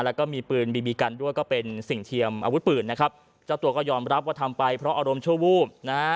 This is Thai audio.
แล้วก็มีปืนบีบีกันด้วยก็เป็นสิ่งเทียมอาวุธปืนนะครับเจ้าตัวก็ยอมรับว่าทำไปเพราะอารมณ์ชั่ววูบนะฮะ